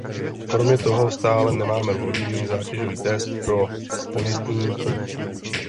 Kromě toho stále nemáme vhodný zátěžový test pro pojistný trh.